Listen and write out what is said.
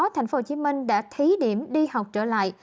tp hcm đã thí điểm đi học trở lại